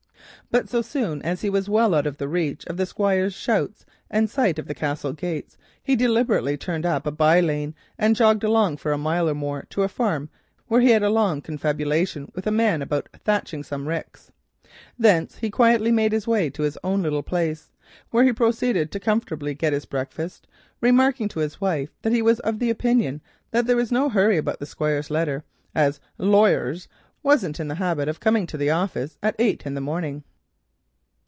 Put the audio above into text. But so soon as he was well out of reach of the Squire's shouts and sight of the Castle gates, he deliberately turned up a bye lane and jogged along for a mile or more to a farm, where he had a long confabulation with a man about thatching some ricks. Thence he quietly made his way to his own little place, where he proceeded to comfortably get his breakfast, remarking to his wife that he was of opinion that there was no hurry about the Squire's letter, as the "lawyers" wasn't in the habit of coming to office at eight in the morning.